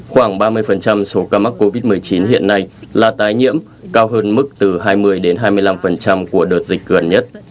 khoảng ba mươi số ca mắc covid một mươi chín hiện nay là tái nhiễm cao hơn mức từ hai mươi đến hai mươi năm của đợt dịch gần nhất